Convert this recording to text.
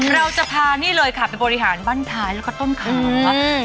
เราจะพานี่เลยค่ะไปบริหารบ้านท้ายแล้วก็ต้นขาวครับ